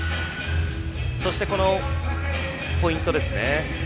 そしてポイントですね。